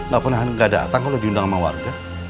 gak pernah gak datang kalau diundang sama warga